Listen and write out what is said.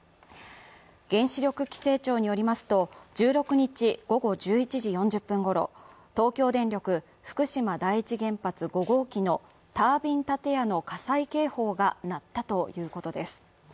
原子力規制庁によりますと、１６日１１時４０分ごろ東京電力福島第一原発５号機のタービン建屋の火災警報が鳴ったということです。